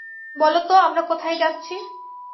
বল তো আমরা কোথায় যাচ্ছি?